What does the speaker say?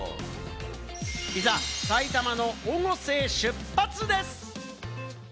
いざ埼玉の越生へ出発です。